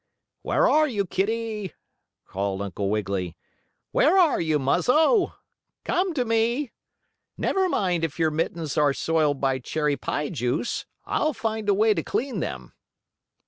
"Where are you, kittie?" called Uncle Wiggily. "Where are you, Muzzo? Come to me! Never mind if your mittens are soiled by cherry pie juice. I'll find a way to clean them."